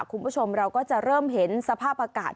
คุณผู้ชมเราก็จะเริ่มเห็นสภาพอากาศ